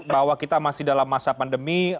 bahwa kita masih dalam masa pandemi